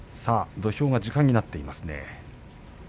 土俵が時間になっています。